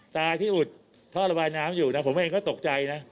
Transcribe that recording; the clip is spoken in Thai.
ตาที่อุดท่อระบายน้ำอยู่นะผมเองก็ตกใจนะ